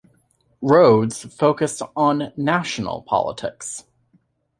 Rhodes focused on national politics.